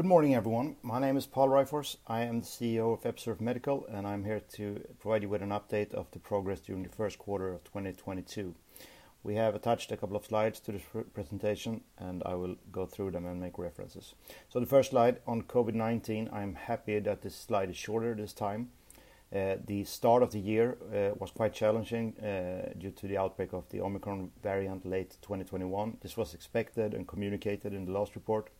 Good morning, everyone. My name is Pål Ryfors. I am the CEO of Episurf Medical, and I'm here to provide you with an update of the progress during the first quarter of 2022. We have attached a couple of slides to this presentation and I will go through them and make references. The first slide on COVID-19. I'm happy that this slide is shorter this time. The start of the year was quite challenging due to the outbreak of the Omicron variant late 2021. This was expected and communicated in the last report,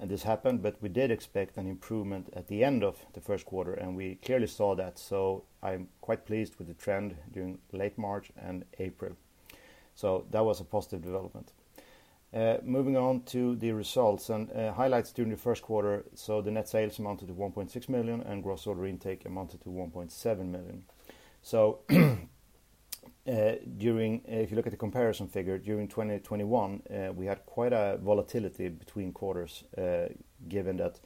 and this happened, but we did expect an improvement at the end of the first quarter, and we clearly saw that. I'm quite pleased with the trend during late March and April. That was a positive development. Moving on to the results and highlights during the first quarter. The net sales amounted to 1.6 million and gross order intake amounted to 1.7 million. If you look at the comparison figure, during 2021, we had quite a volatility between quarters, given that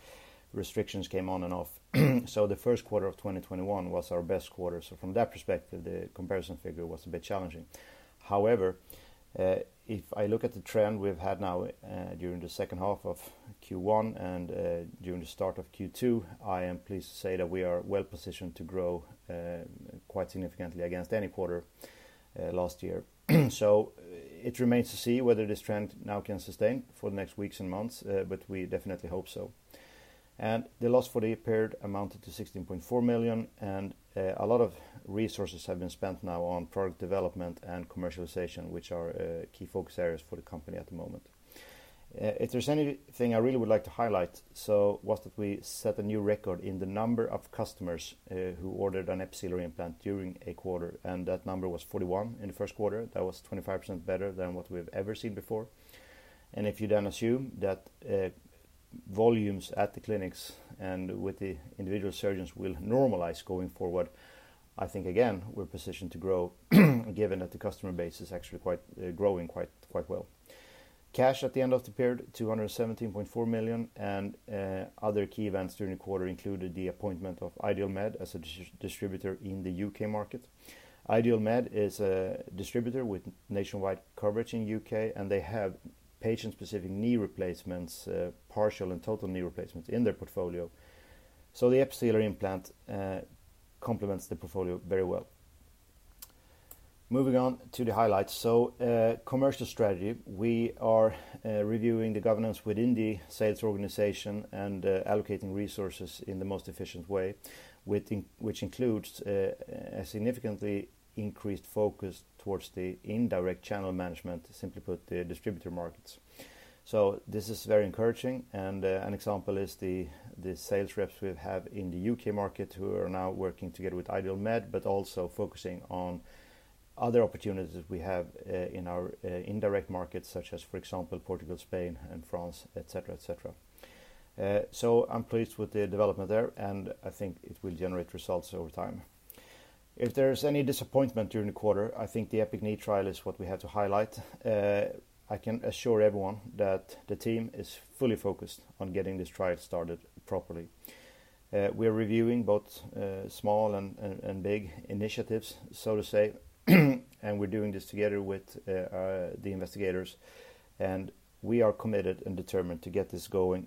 restrictions came on and off. The first quarter of 2021 was our best quarter. From that perspective, the comparison figure was a bit challenging. However, if I look at the trend we've had now, during the second half of Q1 and during the start of Q2, I am pleased to say that we are well-positioned to grow quite significantly against any quarter last year. It remains to see whether this trend now can sustain for the next weeks and months, but we definitely hope so. The loss for the period amounted to 16.4 million and a lot of resources have been spent now on product development and commercialization, which are key focus areas for the company at the moment. If there's anything I really would like to highlight, that we set a new record in the number of customers who ordered an Episealer implant during a quarter, and that number was 41 in the first quarter. That was 25% better than what we've ever seen before. If you then assume that volumes at the clinics and with the individual surgeons will normalize going forward, I think again, we're positioned to grow, given that the customer base is actually quite growing quite well. Cash at the end of the period, 217.4 million and other key events during the quarter included the appointment of Ideal Med as a distributor in the U.K. market. Ideal Med is a distributor with nationwide coverage in U.K., and they have patient-specific knee replacements, partial and total knee replacements in their portfolio. The Episealer implant complements the portfolio very well. Moving on to the highlights. Commercial strategy. We are reviewing the governance within the sales organization and allocating resources in the most efficient way, with in... which includes a significantly increased focus towards the indirect channel management, simply put, the distributor markets. This is very encouraging, and an example is the sales reps we have in the U.K. market who are now working together with Ideal Med, but also focusing on other opportunities we have in our indirect markets such as, for example, Portugal, Spain and France, et cetera. I'm pleased with the development there, and I think it will generate results over time. If there's any disappointment during the quarter, I think the EPIC-Knee Trial is what we have to highlight. I can assure everyone that the team is fully focused on getting this trial started properly. We're reviewing both small and big initiatives, so to say, and we're doing this together with the investigators, and we are committed and determined to get this going.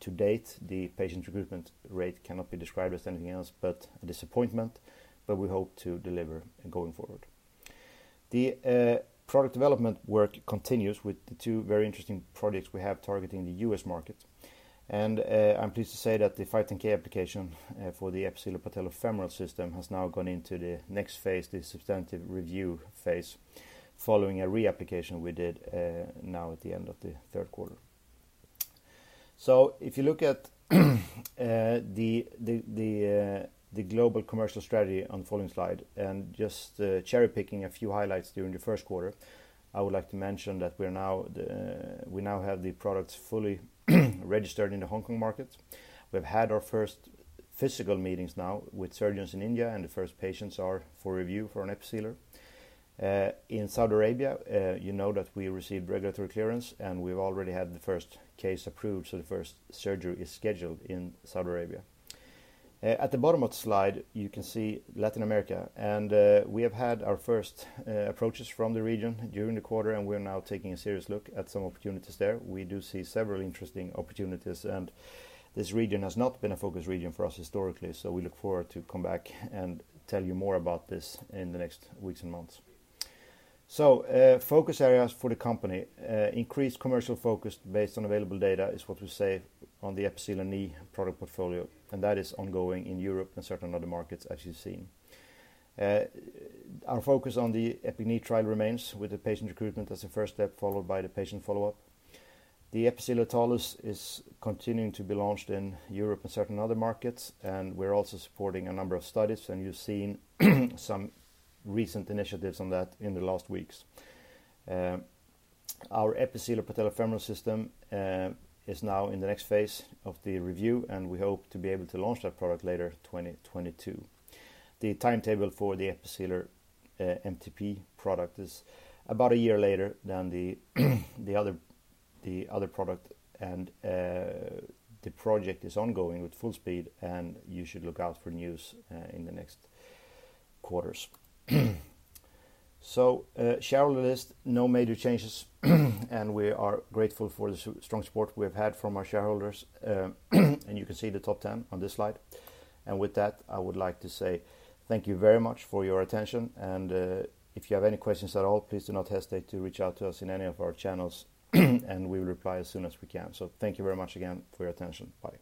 To date, the patient recruitment rate cannot be described as anything else but a disappointment, but we hope to deliver going forward. The product development work continues with the two very interesting projects we have targeting the US market. I'm pleased to say that the 510(k) application for the Episealer Patellofemoral System has now gone into the next phase, the substantive review phase, following a reapplication we did now at the end of the third quarter. If you look at the global commercial strategy on the following slide and just cherry-picking a few highlights during the first quarter, I would like to mention that we now have the products fully registered in the Hong Kong market. We've had our first physical meetings now with surgeons in India, and the first patients are for review for an Episealer. In Saudi Arabia, you know that we received regulatory clearance, and we've already had the first case approved, so the first surgery is scheduled in Saudi Arabia. At the bottom of the slide, you can see Latin America. We have had our first approaches from the region during the quarter, and we're now taking a serious look at some opportunities there. We do see several interesting opportunities, and this region has not been a focus region for us historically, so we look forward to come back and tell you more about this in the next weeks and months. Focus areas for the company. Increased commercial focus based on available data is what we say on the Episealer Knee product portfolio, and that is ongoing in Europe and certain other markets as you've seen. Our focus on the EPIC-Knee Trial remains with the patient recruitment as a first step, followed by the patient follow-up. The Episealer Talus is continuing to be launched in Europe and certain other markets, and we're also supporting a number of studies, and you've seen some recent initiatives on that in the last weeks. Our Episealer Patellofemoral System is now in the next phase of the review, and we hope to be able to launch that product later 2022. The timetable for the Episealer MTP product is about a year later than the other product, and the project is ongoing with full speed, and you should look out for news in the next quarters. Shareholder list, no major changes, and we are grateful for the strong support we have had from our shareholders. You can see the top 10 on this slide. With that, I would like to say thank you very much for your attention, and if you have any questions at all, please do not hesitate to reach out to us in any of our channels, and we will reply as soon as we can. Thank you very much again for your attention. Bye.